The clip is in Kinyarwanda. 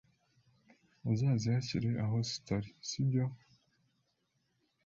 uzazihashyire aho zitari sibyo